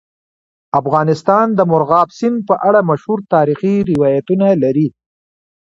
افغانستان د مورغاب سیند په اړه مشهور تاریخي روایتونه لري.